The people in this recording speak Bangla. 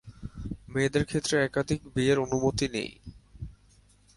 মেয়েদের ক্ষেত্রে একাধিক বিয়ের অনুমতি নেই।